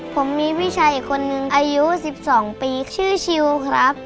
ผมมีพี่ชายอีกคนนึงอายุ๑๒ปีชื่อชิวครับ